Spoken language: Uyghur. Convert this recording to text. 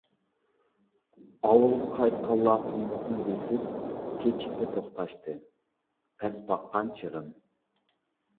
ئاۋۇلغا قايتقانلار قۇملۇقنى بېسىپ كېچىكتە توختاشتى، پەس باققان چېغىم.